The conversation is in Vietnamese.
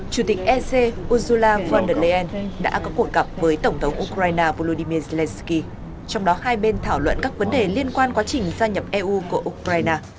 chủ tịch ec ursula von der leyen đã có cuộc gặp với tổng thống ukraine volodymyr zelensky trong đó hai bên thảo luận các vấn đề liên quan quá trình gia nhập eu của ukraine